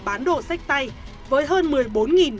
bán đồ sách tay với hơn một mươi bốn